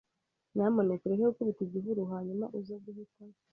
Nyamuneka ureke gukubita igihuru hanyuma uze guhita.